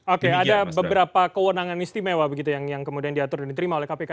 oke ada beberapa kewenangan istimewa begitu yang kemudian diatur dan diterima oleh kpk